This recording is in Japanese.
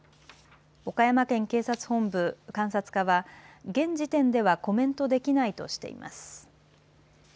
岡山県警察本部監察課は現時点ではコメントできないとしています。